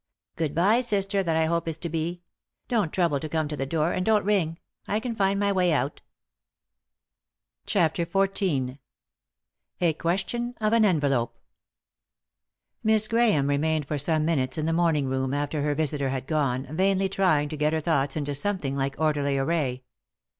Good bye, sister that I hopc is to be I Don't trouble to come to the door, and don't ring ; I can find my way out." 3i 9 iii^d by Google CHAPTER XIV A QUESTION OP AN ENVELOPE Miss Grahahe remained for some minutes in the morning room, after her visitor had gone, vainly trying to get her thoughts into something like orderly array.